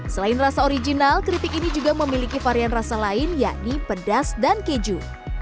selain rasa original keripik ini juga memiliki varian rasa lain yakni pedas dan keju